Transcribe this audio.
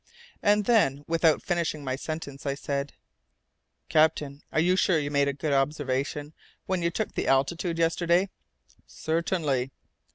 And then, without finishing my sentence, I said, "Captain, are you sure that you made a good observation when you took the altitude yesterday?" "Certainly."